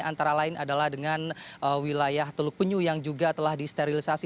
antara lain adalah dengan wilayah teluk penyu yang juga telah disterilisasi